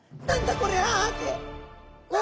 これ」って。